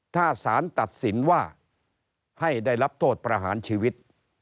ถ้าสารตัดสินว่าให้ได้รับโทษประหารชีวิต